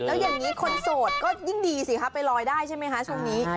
แล้วอย่างนี้คนโสดก็ยิ่งดีสิคะไปลอยได้ใช่ไหมคะช่วงนี้